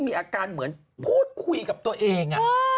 มีอาการเหมือนพูดคุยกับตัวเอง